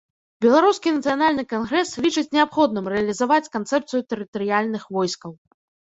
Беларускі нацыянальны кангрэс лічыць неабходным рэалізаваць канцэпцыю тэрытарыяльных войскаў.